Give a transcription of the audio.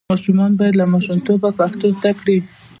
ماشومان باید له ماشومتوبه پښتو زده کړي.